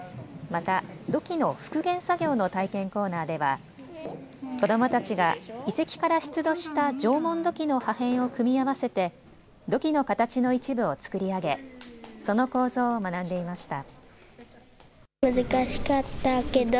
また土器の復元作業の体験コーナーでは子どもたちが遺跡から出土した縄文土器の破片を組み合わせて土器の形の一部を作り上げその構造を学んでいました。